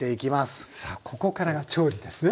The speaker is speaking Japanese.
さあここからが調理ですね。